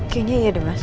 kayaknya iya deh mas